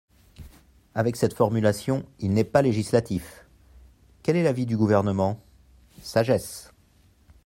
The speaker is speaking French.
Avec cette formulation, il n’est pas législatif ! Quel est l’avis du Gouvernement ? Sagesse.